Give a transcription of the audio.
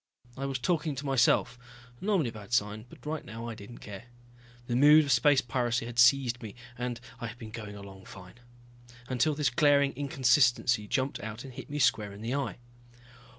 I was talking to myself, normally a bad sign, but right now I didn't care. The mood of space piracy had seized me and I had been going along fine. Until this glaring inconsistency jumped out and hit me square in the eye.